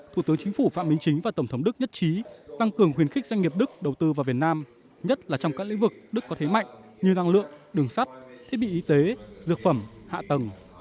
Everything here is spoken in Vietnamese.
thủ tướng chính phủ phạm minh chính và tổng thống đức nhất trí tăng cường khuyến khích doanh nghiệp đức đầu tư vào việt nam nhất là trong các lĩnh vực đức có thế mạnh như năng lượng đường sắt thiết bị y tế dược phẩm hạ tầng